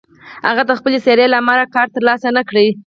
هغه د خپلې څېرې له امله کار تر لاسه نه کړ.